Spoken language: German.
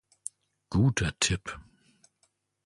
Guter Tipp!